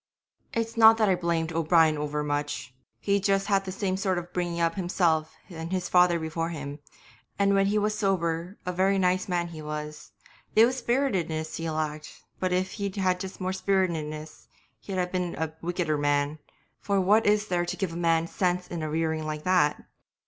'It's not that I blamed O'Brien over much, he'd just had the same sort of bringing up himself and his father before him, and when he was sober a very nice man he was; it was spiritiness he lacked; but if he'd had more spiritiness he'd have been a wickeder man, for what is there to give a man sense in a rearing like that?